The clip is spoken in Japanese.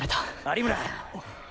有村。